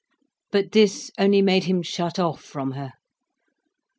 But this only made him shut off from her.